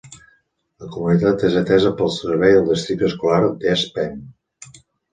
La comunitat és atesa pel servei del districte escolar d'East Penn.